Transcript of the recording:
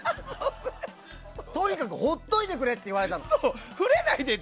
とにかく放っておいてくれって言われたの。